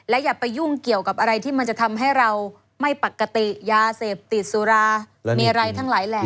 อย่าไปยุ่งเกี่ยวกับอะไรที่มันจะทำให้เราไม่ปกติยาเสพติดสุรามีอะไรทั้งหลายแหล่ง